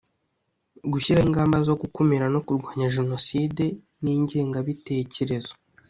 gushyiraho ingamba zo gukumira no kurwanya jenoside n ingengabitekerezo